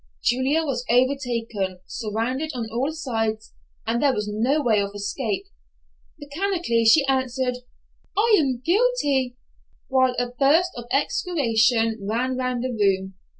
Julia was overtaken, surrounded on all sides, and there was no way of escape. Mechanically, she answered, "I am guilty," while a burst of execration ran round the room.